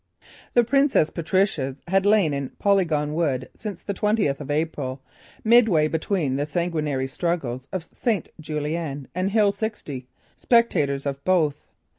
The Princess Patricias had lain in Polygon Wood since the twentieth of April, mid way between the sanguinary struggles of St. Julien and Hill 60, spectators of both.